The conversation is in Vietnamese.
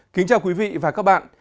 kính chào quý vị và các bạn